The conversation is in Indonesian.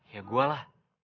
ya gue lah